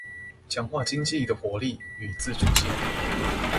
強化經濟的活力與自主性